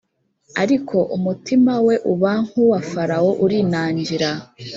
Ariko umutima we uba nkuwa farawo urinangira